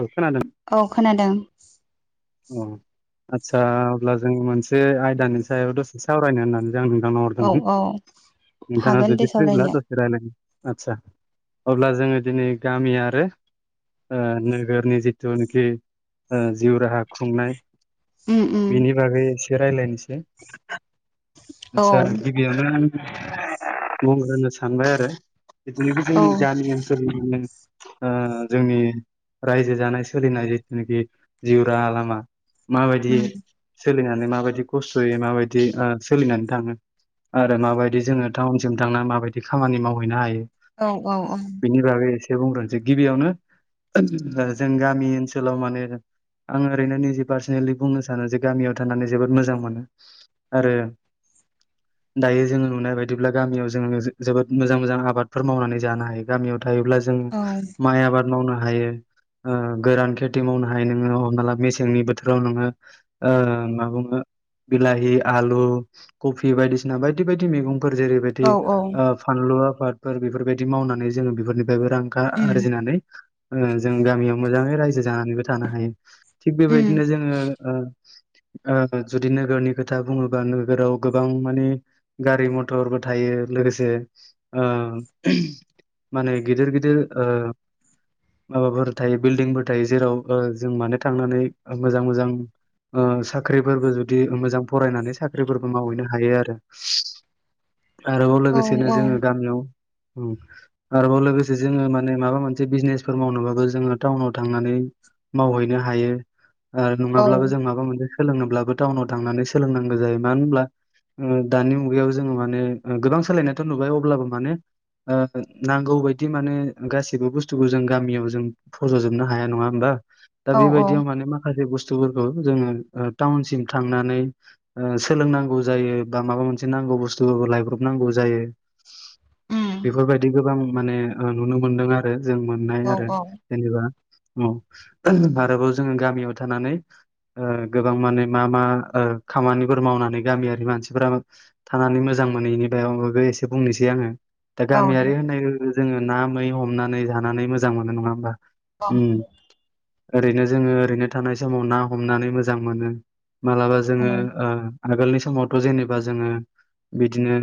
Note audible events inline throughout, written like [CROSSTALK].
औ खोनादों औ खोनादों। औ आदसा अब्ला जोंङ मोनसे आयदानि सायाव दसे सावरायनो होननानै जे आं नोंथांनाव औ हरदोंमोन औ नोंथाङा हागोन जुदि दे फ्रिब्ला सावरायनो दसे रायज्लायनो आदसा अब्ला जोङो दिनै गामि आरो ओ नोगोरनि जिथुनाखि ओ जिउ राहा खुंनाय उम उम बेनि बागै एसे रायज्लायनोसै औ आस्सा गिबियावनो बुंग्रोनो सानबाय आरो जिथुनिखि औ जोंनि गामि ओनसोलनिनो ओ जोंनि रायजो जानाय सोलिनाय जिथुनाखि जिउ राहा लामा माबायदि उम सोलिनानै माबायदि खस्थ'यै माबायदि ओ सोलिनानै थाङो आरो माबायदि जोङो टाउनसिम थांनानै माबायदि खामानि मावहैनो हायो औव औव औव। से बुंग्रोनसै गिबियावनो जों गामि ओनसोलाव माने आङो ओरैनो निजे पार्सनेलि बुंनो सानो जे गामियाव थानानै जोबोद मोजां मोनो आरो [INAUDIBLE] दायो जों नुनाय बायदिब्ला गामियाव जों जो-जोबोद मोजां मोजां आबादफोर मावना जानो हायो गामियाव थायोब्ला जों औ माइ आबाद मावनो हायो ओ गोरान खेथि मावनो हायो हमना ला मेसेंनि बोथोराव नोङो ओ मा बुङो बिलाहि, आलु, कफि बायदिसिना बायदि बायदि मैगं फोर जेरैबादि औ औ ओ फानलु आबादफोर बेफोरबायदि मावनानै जों बेफोरनि बेबो रां खा उम आरजिनानै ओ जों गामियाव मोजाङै रायजो जानाबो थानो हायो। थिग उम बेबायदिनो जोङो ओ ओ जुदि नोगोरनि खोथा बुङोबा नोगोराव गोबां माने गारि मथरबो थायो यो लोगोसे ओ माने गेदिर गिदिर ओ माबाफोर थायो बिल्डिंफोर थायो जेराव ओ जों मानो थांनानै मोजां मोजां ओ साख्रिफोरबो जुदि मोजां फरायनानै साख्रिफोरबो मावहैनो हायो आरो आरोबाव औ लोगोसेनो औ जोङो गामियाव उम आरोबाव लोगोसे जोङो माने माबा मोनसे बिजनेसफोर मावनोबाबो जोङो टाउनाव थांनानै मावहैनो हायो आरो औ नङाब्लाबो जों माबा मोनसे सोलोंनोब्लाबो टाउनाव थांनानै सोलोंनांगौ जायो मानो होनब्ला ओ दानि मुगायाव जोङो माने गोबां सोलायनायाथ' नुबाय अब्लाबो माने ओ नांगौ बायदि माने गासिबो बुस्थुखौ जों गामियाव जों फज'जोबनो हाया नङा होमबा दा औ औ बेबायदि माने माखासे बुस थुफोरखौ जोङो ओ थाउनसिम थांनानै ओ सोलोंनांगौ जायो बा माबा मोनसे नां गौ बुस्थुफोरखौ लायब्रबनांगौ जायो। उम बेफोरबायदि गोबां माने ओ नुनो मोनदों आरो जों मोननाय औ आरो औ जेनेबा औ आरोबाव जोङो गामियाव थानानै ओ गोबां माने मा मा ओ खामानिफोर मावना नानै गामियारि मानसिफोरा थानानै मोजां मोनैनि बायाव [UNINTELLIGIBLE] एसे बुंनोसै आङो। दा औ दे गामियारि होननाय लोगो लोगो जोङो ना मै हमनानै जानानै मोजां मोनो नङा होमबा। अह उम ओरैनो जोङो ओरैनो थानाय समाव ना हमनानै मोजां मोनो। मालाबा जोङो ओ आगोलनि समावथ' जेनेबा जोङो बिदिनो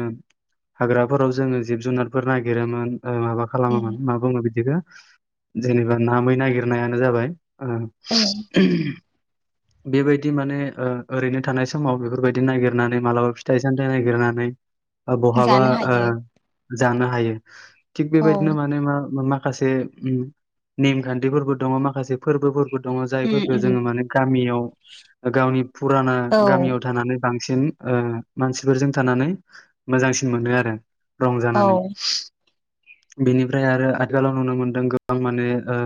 हाग्राफोराव जोङो जिब जुनारफोर नागिरोमोन। ओ माबा उम खालामोमोन मा बुङो बिदिखौ जेनेबा ना मै नागिरनायानो जाबाय। ओ उम बेबायदि माने ओ ओरैनो थानाय समाव बेफोरबायदि नायगिरनानै मालाबा फिथाइ सामथायाइ नायगिरनानै ओ बहाबा जानो ओ हायो जानो हायो थिग औ बेबायदिनो माने मा मा- खासे उम नेमखान्थिफोरबो दङ माखासे फोरबोफोर- बो दङ उम जायफोरखो उम जोङो माने गामियाव गावनि फुराना औ गामियाव थानानै बांसिन ओ मानसिफोरजों थानानै मोजांसिन मोनो आरो। औ रंजानानै बेनिफ्राय आरो आथिखालाव नुनो मोनदों गोबां माने ओ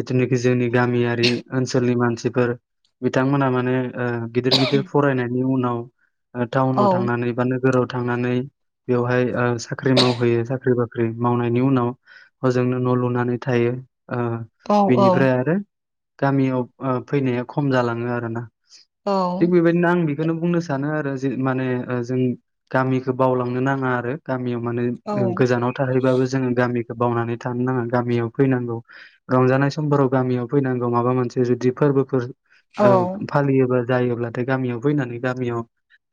बिदिनो जोंनि गामियारि ओनसोलनि मानसिफोर बिथांमोना माने ओ गिदिर गिदिर फरायनायनि उनाव ओ टाउनाव थांनानै बा नोगोराव थांनानै बेवहाय ओ साख्रि मावहैयो साख्रि बाख्रि मावनायनि उनाव होजोंनो न' लुनानै थायो। ओ औ बिनिफ्राय आरो गामियाव ओ फैनाया खम जालाङो आरोना् औ थिग बेबायदिनो आंनि बेखौनो बुंनो सानो आरो जि माने ओ जों गामिखौ बावलांनो नाङा आरो गा- मियाव माने ओ गोजानाव थाहैबाबो जोङो गामि- खो बावनानै थानो नाङा गामियाव फैनांगौ रंजानाय समफोराव गामियाव फैनांगौ माबा मोनसे जुदि फोरबोफोर औ ओ फालियोबा। जायोब्लाथाय गामियाव फैनानै गामियाव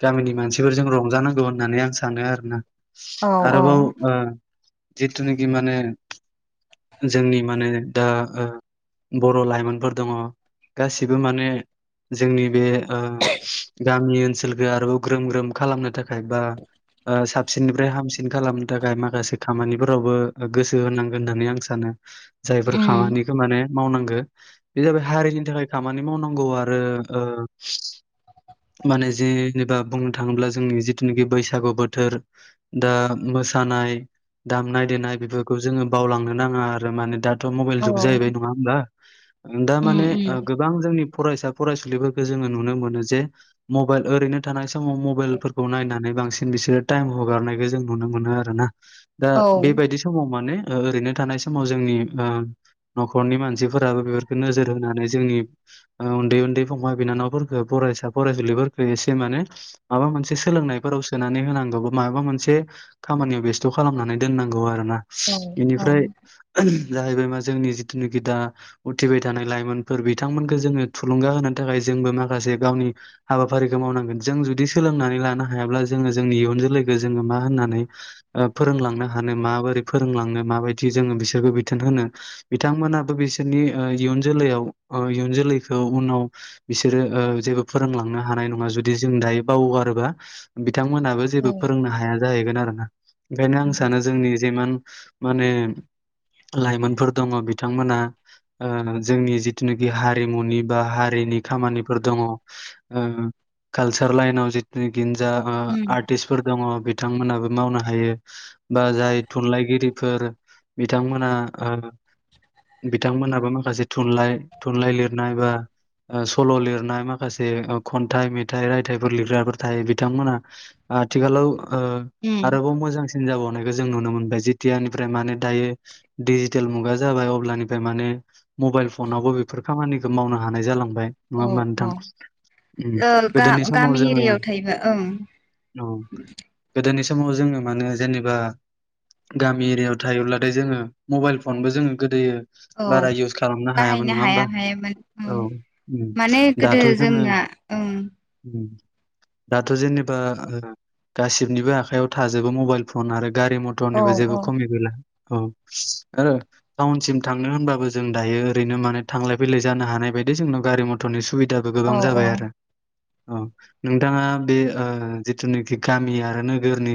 गामिनि मानसिफोरजों रंजानांगौ होननानै आं सानो आरोना औ आरोबाव ओ जिथुनाखि माने जोंनि माने दा ओ बर' लाइमोनफोर दङ गासिबो माने जोंनि बे ओ गामि ओनसोलखो आरोबाव ग्रोम ग्रोम खालामनो थाखाय बा ओ साबसिननिफ्राय हामसिन खालामनो थाखाय माखासे खामानिफोरावबो गोसो होनांगोन होननानै आं सानो। जायफोर उम खामानि मावनांगो बे जाबाय हारिनि थाखाय खामानि मावनांगौ आरो ओ माने जेनेबा बुंनो थाङोब्ला जोंनि जिथुनाखि बैसागु बोथोर दा मो सानाय दामनाय देनाय बेफोरखौ जोङो बावलांनो नाङा आ- रो माने दाथ' मबाइल औ जुग जाहैबाय नङा होमबा? ओं दा उम माने ओ उम गोबां जोंनि फरायसा फरायसुलिफोरखो जोङो नुनो मोनो जे। मबाइल ओरैनो थानाय समाव मबाइलफोरखौ नायनानै बांसिन बिसोरो टाइम हगारनायखो जों नुनो मोनो आरो ना। दा औ बेबायदि समाव माने ओ ओरैनो थानाय समाव जोंनि ओ न'खरनि मानसिफोराबो बेफोरखो नोजोर होनानै जोंनि। ओ उन्दै उन्दै फंबाय बिनानावफोरखो फरायसा फरायसुलिफोरखो एसे माने माबा मोनसे सोलोंनायफोराव सोनानै होनांगौ मायबा मोनसे खामानियाव बेस्थ' खालामनानै दोननांगौ आरोना। औ बिनिफ्राय औ जाहैबाय मा जोंनि जिथुनिखि दा उथिबाय थानाय लाइमोनफोर बिथांमोनखो जोङो थुलुंगा होनो थाखाय जों बो माखासे गावनि हाबाफारिखौ मावनांगोन जों जुदि सोलोंनानै लानो हायाब्ला जोङो जोंनि इयुन जोलैखो जोङो मा होननानै ओ फोरोंलांनो हानो माबोरै फोरोंलांनो माबायदि जोङो बिसोरखो बिथोन होनो बिथांमोना बिसोरनि इयुन जोलैयाव इयुन जोलैखौ उनाव बिसोरोे ओ जेबो फोरोंलांनो हानाय नङा जुदि जों दायो बावगारोबा बिथांमोनाबो औ जेबो फोरोंनो हाया जाहैगोन आरो। आरोना ओंखायनो आं सानो जोंनि जेमान माने लाइमोनफोर दङ बिथांमोना ओ जोंनि जिथुनाखि हारिमुनि बा हारिनि खामानिफोर दङ। ओ कालचार लाइनाव जितुनाखि जा उम आर्टिसफोर दङ बिथांमोनहाबो मावनो हायो बा जाय थुनलाइगिरिफोर बिथांमोना ओ बिथांमोनाबो माखासे थुनलाइ थुनलाइ लिरनाय बा ओ सल' लिरनाय मा खासे खन्थाइ, मेथाइ, रायथाइफोर लिरग्राफोर थायो बिथांमोना ओ थिखालाव ओ उम आरोबाव मोजांसिन जाबावनायखो जों नुनो मोनबाय। जेथियानिफ्राय माने दायो देजिटेल मुगा जाबाय अब्लानिफ्राय माने मबा मबाइल फनावबो बेफोर खामानिखो मावनो हानाय जालांबाय औ नङा होमा नोंथां? औ उम ओ गोदोनि समाव गा-गामि जोङो एरियायाव थायोबा ओं औ। गोदोनि समाव जोङो माने जेनेबा गामि एरियाायाव थायोब्लाथाय जोङो मबाइल फनबो जोङो गोदोयो औ बारा इउस खालामनो हायामोन बाहायनो नङा हाया होमबा। हायामोन औ माने गोदो दाथ' जोङो जोंना ओं। उम दाथ' जेनेबा गासिबनिबो आखायाव थाजोबो मबाइल फन आरो गारि औ मथरनिबो जेबो औ खमि गैला। औ। ओ टाउनसिम थांनो होनबाबो जों दायो ओरैनो माने थांलाय फैलाय जानो हानाय बायदिनो जोंनाव गारि मथरनि सुबिदाबो गोबां औ औ जाबाय आरो। औ। नोंथाङा बे ओ जिथुनाखि गामि आरो नोगोरनि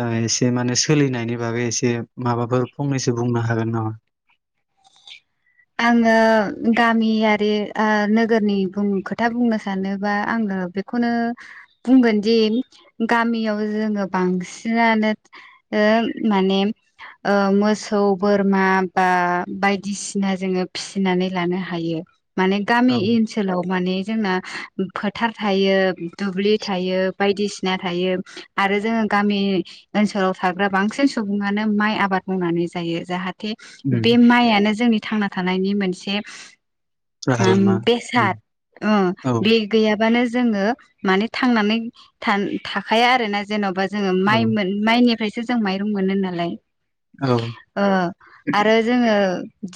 ओ एसे माने सोलिनायनि बागै एसे माबाफोर फंनैसो बुंनो हागोन नामा? आङो गामियारि ओ नोगोरनि बुं खोथा बुंनो सानोबा आङो बेखौनो बुंगोनदि गामियाव जोङो बांसिनानो ओ माने ओ मोसौ बोरमा बा बायदिसि ना जोङो फिसिनानै लानो हायो। माने गामि औ इनसोलाव माने जोंना फोथार थायो, दुब्लि थायो, बायदिसिना थायो आरो जोङो गामि ओनसोलाव थाग्रा बांसिन सुबुङानो माइ आबाद मावनानै जायो। जाहा थे बे उम माइयानो जोंनि थांना थानायनि मोनसे राहा लामा बेसाद उम ओ औ बे गैयाबानो जोङो माने थान थाखाया आरोना जेन'बा जोङो माइ मोन माइनिफ्रायसो जों माइरं मोनो नालाय। औ ओ आरो जोङो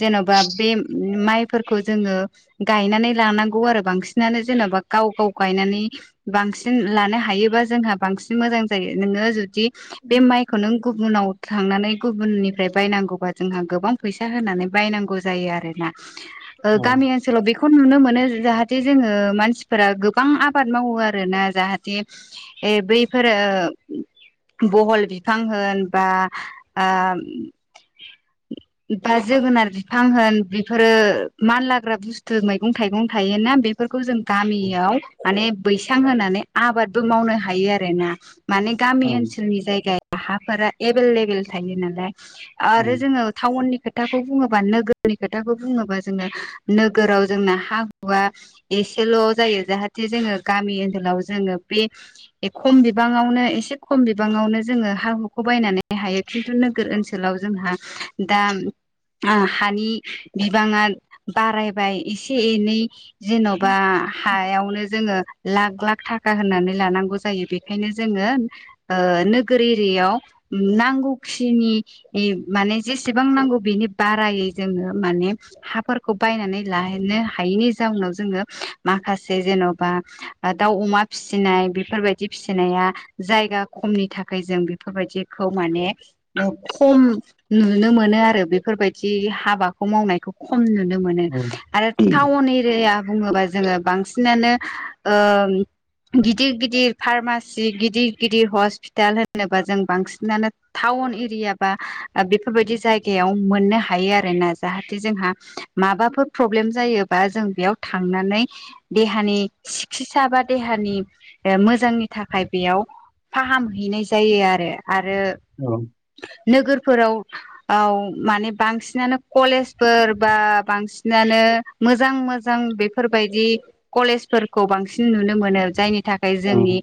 जेन'बा बे माइफोरखौ जोङो गायनानै लानांगौ आरो बांसिनानो जेनेबा गाव गाव गायनानै बांसिन लानो हायोबा बांसिन मोजां जायो। नोङो जुदि बे माइखौ नों गुबुनाव थांनानै गुबुननिफ्राय बायनांगौबा जोंहा गोबां फैसा होनानै बायनांगौ जायो आरोना। ओ औ गामि ओनसोलाव बे खौ नुनो मोनो जाहाथे जोङो मानसिफोरा गोबां आबाद मावो आरोना। जाहाथे ए बैफोरो बहल बिफां होन बा ओ बा जोगोनार बिफां होन बेफोरो मानलाग्रा बुस्थु मैगं थाइगं थायोना बेफोरखौ जों औ गामियाव माने बैसां होनानै आबादबो मावनो हायो आरोना। माने औ गामि ओनसोलनि जायगाया हाफोरा एभेलेबल थायो नालाय। आरो जोङो टाउननि खोथाखौ बुङो बा नोगोरनि खोथाखौ बुङोबा जोंङो नोगोराव जोंना हा हुवा एसेल' जा यो। जाहाथे जोङो गामि ओनसोलाव जोङो बे खम बिबाङावनो एसे खम बिबाङाव नो जोङो हुखौ बायनानै हायो। खिन्थु नोगोर ओनसोलाव जोंहा दा हानि बिबाङा बारायबाय एसे एनै जेन'बा हायावनो जोङो लाख लाख थाखा होननानै लानांगौ जायो बेखायनो जोङो ओ नोगोर एरियायाव नांगौखिनि माने जेसेबां नांगौ बेनि बारायै जोङो माने हाफोरखौ बायनानै लानो हायैनि जाउनाव जोङो माखासे जेन'बा ओ दाउ अमा फिसिनाय बेफोरबायदि फिसिनाया जायगाखौ खमनि थाखाय जों बेफोरबायदिखौ माने खम नुनो मोनो आरो बेफोरबायद दि हाबाखौ मावनायखौ खमनो नुनो मोनो औ आरो टाउन एरियाया बुङोबा जोङो बांसिनानो ओम गिदिर गिदिर फार्मासि गिदिर गिदिर हस्पिताल होनोबा जों बांसिनानो थाव वन एरिया बा ओ बेफोरबायदि जायगायाव मोननो हा हायो आरोना, जाहाथे जोंहा माबाफोर प्रब्लेम जायोबा जों बेयाव थांनानै देहानि सिकित्सा बा देहानि मोजांनि थाखाय बेयाव फाहामहैनाय जायो आरो। आरो औ नोगोरफोराव आव माने बांसिनानो कलेजफोर बा बांसिनानो मोजां मोजां बेफोरबायदि कलेजफोरखौ बांसिन नुनो मोनो, जायनि थाखाय औ जोंनि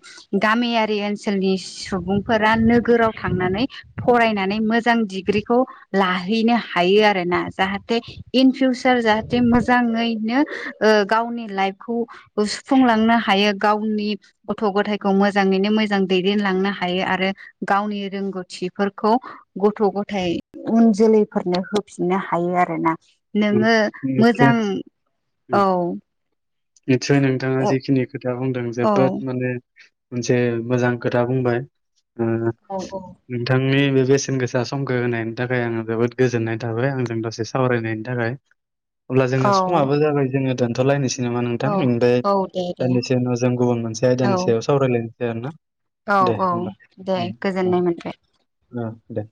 गामियारि ओन सोलनि सुबुंफोरा नोगोराव थांनानै फरायनानै मोजां डिग्रिखौ लाहैनो हा हायो आरोना जाहाथे इन फिउचार जाहाथे मोजाङैनो ओ गावनि लाइफ खौ सुफुंलांनो हायो, गावनि गथ' गथायखौ मोजाङैनो मोजां दैदेनलांनो हायो आरो गावनि रोंगौथिफोरखौ गथ' गथाय उन जोलै फोरनो होफिननो हायो आरोना। उम नोङो निसय मोजां औ नितसय नोंथाङा औ जिखिनि खोथा बुंदों औ जोबोद माने मोनसे मोजां खोथा बुंबाय ओ नोंथां नि बे बेसेन गोसा समखौ होनायनि थाखाय आङो जोबोद गोजोननाय थाबाय आंजों दसे सावरायनायनि थाखाय। अब्ला औ जोंना समाबो जाबाय जोङो दोनथ'लायनोसै। नामा नोंथां औ बेनिफ्राय औ दे दे दानदिसे उनाव जों गुबुन मोनसे औ आयदानि सायाव सावरायलायनोसै आरो ना। औ औ दे गोजोननाय मोनबाय। औ दे।